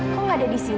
kok nggak ada di sini